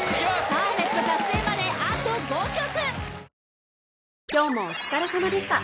パーフェクト達成まであと５曲！